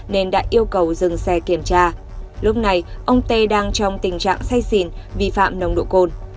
nên đã yêu cầu dừng xe kiểm tra lúc này ông tê đang trong tình trạng say xỉn vi phạm nồng độ cồn